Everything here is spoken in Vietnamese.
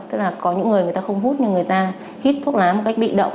tức là có những người không hút nhưng người ta hít thuốc lá một cách bị động